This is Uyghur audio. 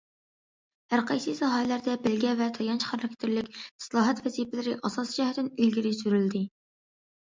ھەر قايسى ساھەلەردە بەلگە ۋە تايانچ خاراكتېرلىك ئىسلاھات ۋەزىپىلىرى ئاساسىي جەھەتتىن ئىلگىرى سۈرۈلدى.